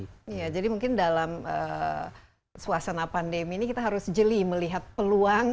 iya jadi mungkin dalam suasana pandemi ini kita harus jeli melihat peluang